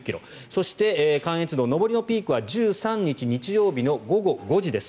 そして関越道上りのピークは１３日日曜日の午後５時です。